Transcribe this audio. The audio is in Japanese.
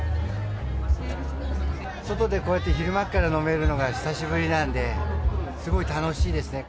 外でこうやって昼間っから飲めるのが久しぶりなんで、すごい楽しいですね。